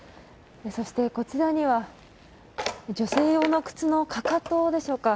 そしてこちらには女性用の靴のかかとでしょうか。